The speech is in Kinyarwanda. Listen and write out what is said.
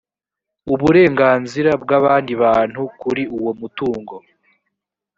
uburenganzira bw’abandi bantu kuri uwo mutungo